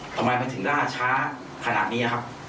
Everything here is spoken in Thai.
ทำไมมันถึงล่าช้าขนาดนี้ครับ